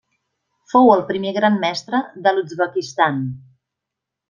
Fou el primer Gran Mestre de l'Uzbekistan.